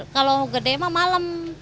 kalau gede emang malem